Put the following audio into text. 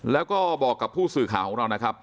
แล้วก็บอกกับผู้สื่อข่าวของเรานะครับ